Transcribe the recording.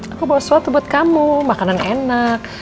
aku bawa soto buat kamu makanan enak